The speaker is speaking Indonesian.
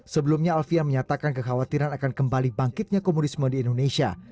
sebelumnya alfian menyatakan kekhawatiran akan kembali bangkitnya komunisme di indonesia